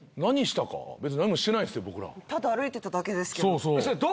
ただ歩いてただけですけど。